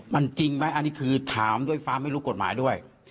มันจริงไหมอันนี้คือถามด้วยความไม่รู้กฎหมายด้วย